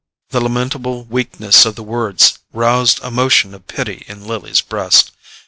The lamentable weakness of the words roused a motion of pity in Lily's breast.